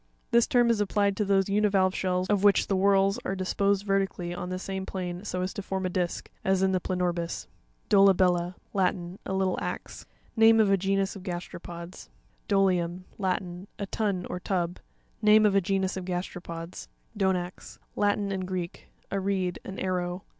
This term is applied to those uni valve shells of which the whorls are disposed vertically on the same plane so as to form a disc; as in the Planorbis (page 44). Doua'BELLA.— Latin. A little axe. Name of a genus of gasteropods (page 64). Do'tium.— Latin. A tun or tub. Name of a genus of gasteropods (page 53). Do'nax.—Latin and Greek. A reed; an arrow.